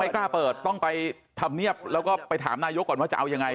กล้าเปิดต้องไปทำเนียบแล้วก็ไปถามนายกก่อนว่าจะเอายังไง